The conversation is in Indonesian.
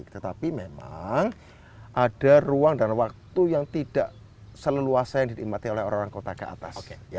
tetapi memang ada ruang dan waktu yang tidak seleluasa yang didikmati oleh orang orang kota ke atas